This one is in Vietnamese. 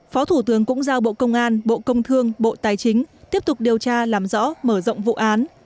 phó thủ tướng cũng giao bộ công an bộ công thương bộ tài chính tiếp tục điều tra làm rõ mở rộng vụ án